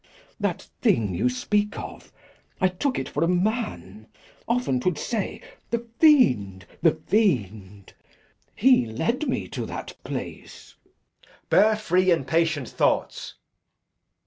That thing you speak of, I took it for a man. Often 'twould say 'The fiend, the fiend' he led me to that place. Edg. Bear free and patient thoughts.